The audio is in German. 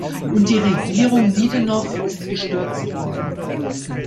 Und die Regierung Widenow ist gestürzt worden.